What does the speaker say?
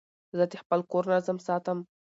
زه د خپل کور نظم ساتم.